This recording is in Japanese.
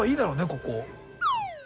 ここ。